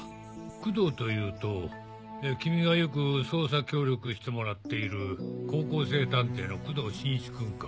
工藤というと君がよく捜査協力してもらっている高校生探偵の工藤新一君か？